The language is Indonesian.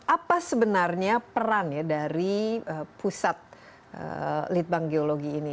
apa sebenarnya peran ya dari pusat litbang geologi ini